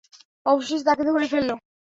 অবশেষে তাঁকে ধরে ফেলল।